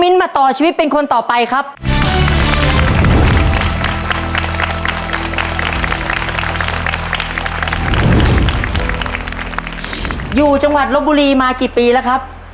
เร็วลูก